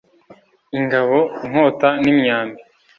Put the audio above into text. ingabo, inkota n'imyambi